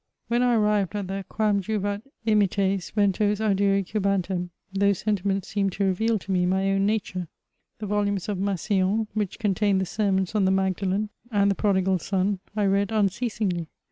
When I arrived at the *' Quam juvat immites ventos audire cubantem " those sentiments seemed to reveal to me my own nature. The volumes of Massillon, which contained the sermons on the Magdalen and the Pro digal Son, I read unceasingly.